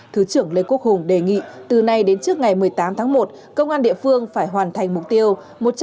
thứ trưởng lê quốc hùng đề nghị từ nay đến trước ngày một mươi tám tháng một công an địa phương phải hoàn thành mục tiêu